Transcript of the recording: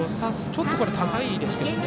ちょっと高いですけどね。